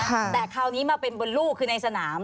แต่คราวนี้มาเป็นบนลูกคือในสนาม